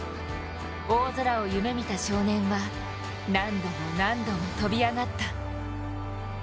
大空を夢見た少年は何度も何度も跳び上がった。